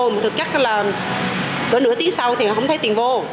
mà thực chất là có nửa tiếng sau thì không thấy tiền vô